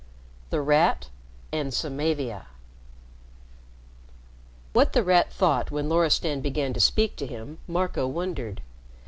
X THE RAT AND SAMAVIA What The Rat thought when Loristan began to speak to him, Marco wondered.